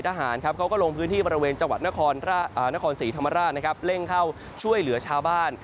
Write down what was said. เขาก็ลงพื้นที่บริเวณจังหวัดนครศรีธรรมราชเร่งเข้าช่วยเหลือชาวบ้าน